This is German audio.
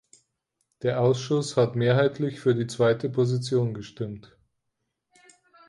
Der Ausschuss hat mehrheitlich für die zweite Position gestimmt.